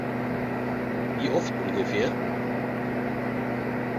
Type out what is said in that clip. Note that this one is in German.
Wie oft ungefähr?